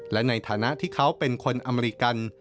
และในฐานะที่เขาเป็นคนอเมริกัน